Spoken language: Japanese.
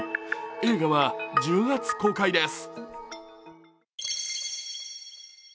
映画は１０月公開です。